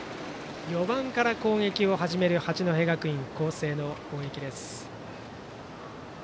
４番から攻撃を始める八戸学院光星の攻撃。